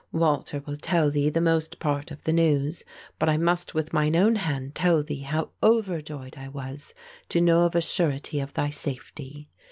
Walter will tell thee the most part of the news, but I must with mine own hand tell thee how overjoyed I was to know of a surety of thy safety.